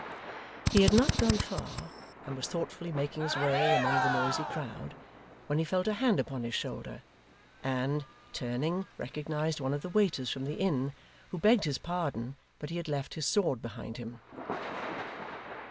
He had not gone far, and was thoughtfully making his way among the noisy crowd, when he felt a hand upon his shoulder, and, turning, recognised one of the waiters from the inn, who begged his pardon, but he had left his sword behind him.